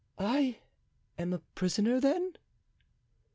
"I am a prisoner, then?"